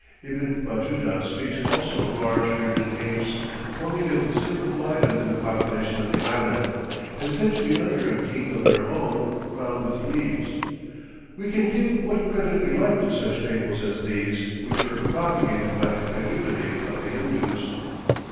Ibn Batuta speaks also of large bearded apes, forming a considerable item in the population of the island, and said to be under a king of their own, crowned with leaves. We can give what credit we like to such fables as these, which were propagated by the credulity of the Hindoos.